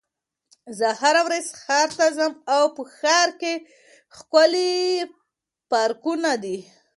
زه هره ورځ ښار ته ځم او په ښار کې ښکلي پارکونه دي.